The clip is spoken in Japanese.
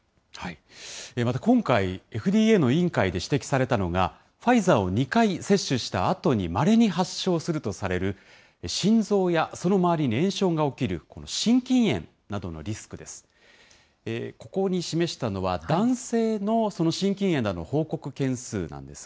また今回、ＦＤＡの委員会で指摘されたのが、ファイザーを２回接種したあとにまれに発症するとされる心臓やその周りに炎症が起きる心筋炎などのリスクです。